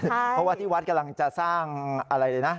เพราะว่าที่วัดกำลังจะสร้างอะไรเลยนะ